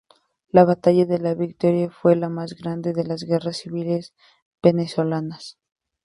La batalla de La Victoria fue la más grande de las guerras civiles venezolanas.